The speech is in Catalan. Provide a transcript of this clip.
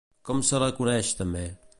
Com se la coneix també?